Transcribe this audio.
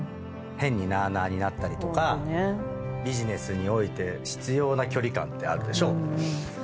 変になあなあになったりとかビジネスにおいて必要な距離感ってあるでしょ。